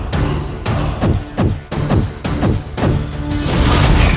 baik bu susino pati